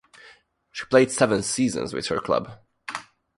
She played seven seasons with her club.